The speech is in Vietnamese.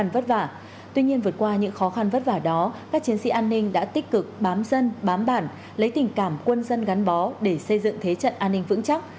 tuy vượt qua những khó khăn vất vả đó các chiến sĩ an ninh đã tích cực bám dân bám bản lấy tình cảm quân dân gắn bó để xây dựng thế trận an ninh vững chắc